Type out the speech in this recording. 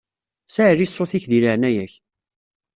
Saɛli ṣṣut-ik di leɛnaya-k.